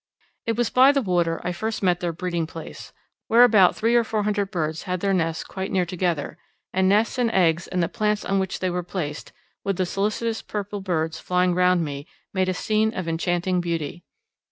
It was by the water I first found their breeding place, where about three or four hundred birds had their nests quite near together, and nests and eggs and the plants on which they were placed, with the solicitous purple birds flying round me, made a scene of enchanting beauty.